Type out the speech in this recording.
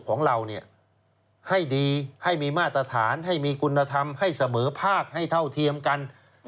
ของเราให้ดีให้มีมาตรฐานให้มีคุณธรรมให้เสมอภาคให้เท่าเทียมกัน